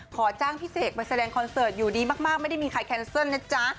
ขอจ้างพี่เสกมาแสดงคอนเสิร์ตอยู่ดีมากไม่ได้มีใครแคนเซิลนะจ๊ะ